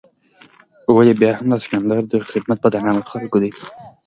ولې بیا هم د سکندر دې خدمت په درناوي خلکو دی.